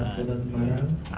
dan mencari penyidik kpk